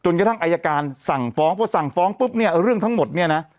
กระทั่งอายการสั่งฟ้องพอสั่งฟ้องปุ๊บเนี่ยเรื่องทั้งหมดเนี่ยนะ